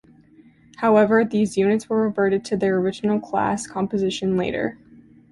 However these units were reverted to their original class composition later.